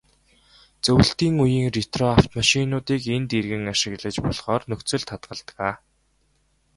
Зөвлөлтийн үеийн ретро автомашинуудыг энд эргэн ашиглаж болохоор нөхцөлд хадгалдаг.